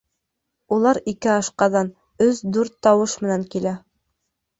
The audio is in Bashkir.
— Улар ике ашҡаҙан, өс-дүрт тауыш менән килә.